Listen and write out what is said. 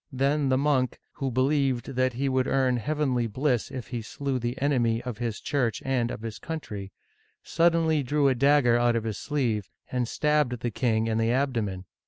Then the monk — who believed that he would earn heavenly bliss if he slew the enemy of his Church and of his country — suddenly drew a dagger out of his sleeve, and stabbed the king in the abdomen.